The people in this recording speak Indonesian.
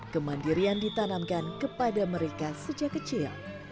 kemandirian ditanamkan kepada mereka sejak kecil